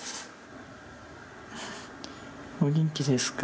お元気ですか？